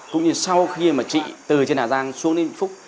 cũng như sau khi mà chị từ trên hà giang xuống đến vĩnh phúc